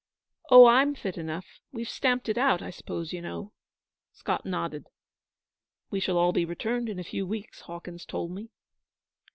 'Oh, I'm fit enough. We've stamped it out. I suppose you know?' Scott nodded. 'We shall all be returned in a few weeks. Hawkins told me.'